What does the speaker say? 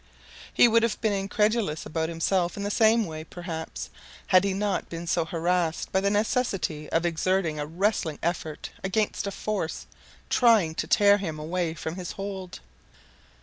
He would have been incredulous about himself in the same way, perhaps, had he not been so harassed by the necessity of exerting a wrestling effort against a force trying to tear him away from his hold.